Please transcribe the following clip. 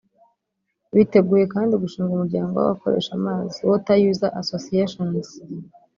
Biteguye kandi gushinga umuryango w’abakoresha amazi (water user associations)